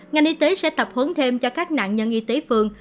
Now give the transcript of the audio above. ngành y tế sẽ tập huấn thêm cho các nạn nhân y tế phường